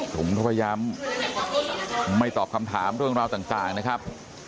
ผมก็ย้ำไม่ตอบคำถามเรื่องราวต่างนะครับ